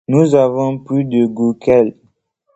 Nous avons plus de goût qu’elle.